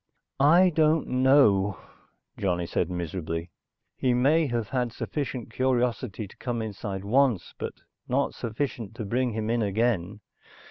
"I don't know," Johnny said miserably. "He may have had sufficient curiosity to come inside once, but not sufficient to bring him in again.